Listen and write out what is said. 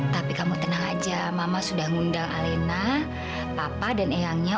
tapi kamu tenang aja mama sudah ngundang alena papa dan eyangnya